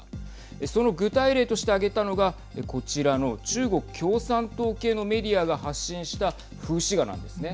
その具体例として挙げたのがこちらの中国共産党系のメディアが発信した風刺画なんですね。